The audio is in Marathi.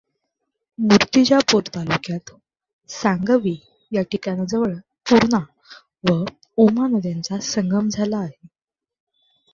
मूर्तिजापूर तालुक्यात सांगवी या ठिकाणाजवळ पूर्णा व उमा नद्यांचा संगम झाला आहे.